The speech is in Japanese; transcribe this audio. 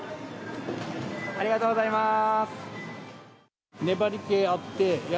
ありがとうございます。